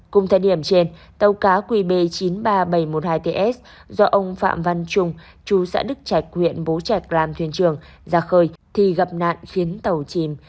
cùng thời điểm trên tàu cá qb chín mươi ba nghìn bảy trăm một mươi hai ts do ông phạm văn trung chú xã đức trạch huyện bố trạch làm thuyền trường ra khơi thì gặp nạn khiến tàu chìm